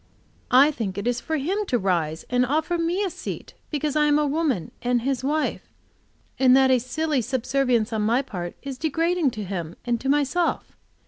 I think it is for him to rise and offer me a seat, because I am a woman and his wife; and that a silly subservience on my part is degrading to him and to myself.